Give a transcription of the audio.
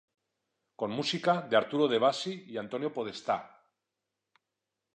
Con música de Arturo De Bassi y Antonio Podestá.